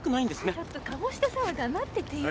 ちょっと鴨志田さんは黙っててよ！